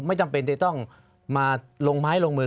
ไม่จำเป็นจะต้องมาลงไม้ลงมือ